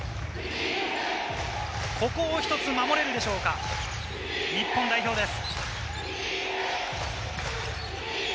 ここを一つ守れるでしょうか、日本代表です。